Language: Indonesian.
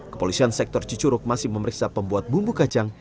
kepolisian sektor cicuruk masih memeriksa pembuat bumbu kacang